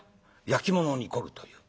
焼き物に凝るという。